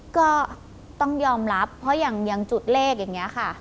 ก็ต้องยอมรับเพราะอย่างจุดเลขอย่างนี้ค่ะ